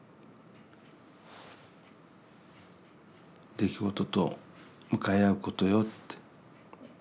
出来事と向かい合うことよって。